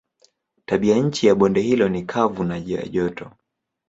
Tabianchi ya bonde hilo ni kavu na ya joto.